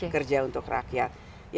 kerja untuk rakyat